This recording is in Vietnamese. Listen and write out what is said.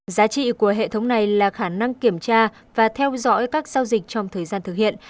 giá trị của hệ thống này là khả năng kiểm tra và theo dõi các giao dịch trong thời gian thực hiện